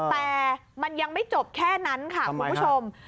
แต่มันยังไม่จบแค่นั้นค่ะคุณผู้ชม